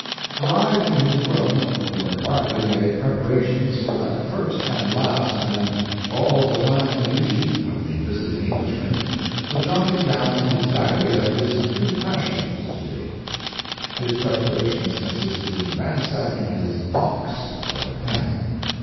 Arrived in his room Lord Berkeley made preparations for that first and last and all the time duty of the visiting Englishman—the jotting down in his diary of his "impressions" to date. His preparations consisted in ransacking his "box" for a pen.